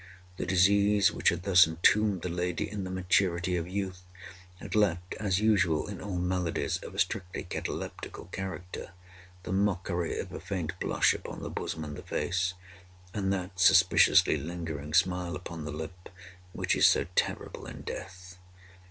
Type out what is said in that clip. The disease which had thus entombed the lady in the maturity of youth, had left, as usual in all maladies of a strictly cataleptical character, the mockery of a faint blush upon the bosom and the face, and that suspiciously lingering smile upon the lip which is so terrible in death.